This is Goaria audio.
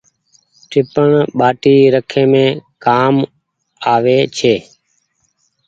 ٽيپڻ ٻآٽي رکيم ڪآم آوي ڇي ۔